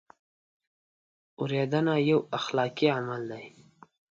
اورېدنه یو اخلاقي عمل دی.